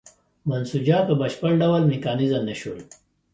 منسوجات په بشپړ ډول میکانیزه نه شول.